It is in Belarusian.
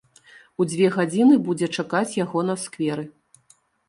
У дзве гадзіны будзе чакаць яго на скверы.